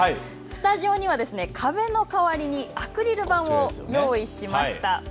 スタジオには壁の代わりにアクリル板を用意しました。